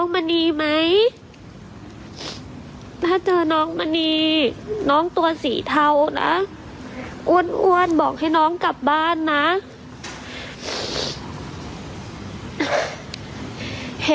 ไม่วันหนึ่งแล้วน้องยังไม่กลับเลย